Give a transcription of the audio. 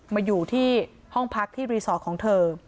มาอยู่ที่ห้องพักที่รีสอร์ทของเธอ